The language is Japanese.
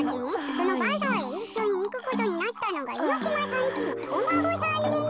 そのバザーへいっしょにいくことになったのがいのしまさんちのおまごさんでね。